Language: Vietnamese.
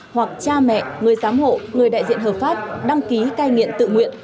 hoặc cha mẹ người giám hộ người đại diện hợp pháp đăng ký cai nghiện tự nguyện